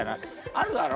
あるだろ